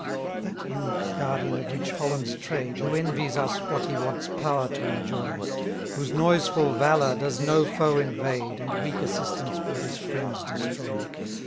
40 That eunuch guardian of rich Holland's trade, Who envies us what he wants power to enjoy; Whose noiseful valour does no foe invade, And weak assistance will his friends destroy.